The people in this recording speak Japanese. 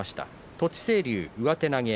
栃清龍、上手投げ。